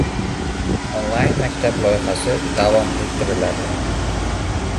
Online-maktab loyihasi davom ettiriladi